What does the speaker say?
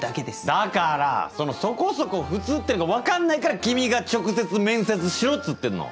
だからそのそこそこフツーってのが分かんないから君が直接面接しろっつってんの。